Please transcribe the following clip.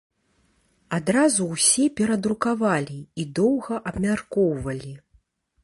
Адразу ўсе перадрукавалі і доўга абмяркоўвалі.